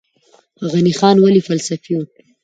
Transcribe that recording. غني خان ولې فلسفي و؟